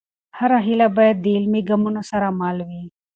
هره هېله باید د عملي ګامونو سره مل وي.